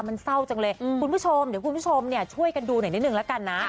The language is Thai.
คุณผู้ชมเดี๋ยวคุณผู้ชมเนี่ยช่วยกันดูหน่อยนิดนึงแล้วกันนะ